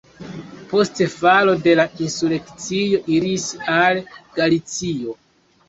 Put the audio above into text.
Post falo de la insurekcio iris al Galicio.